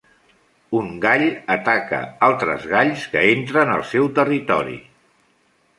Un gall ataca altres galls que entren al seu territori.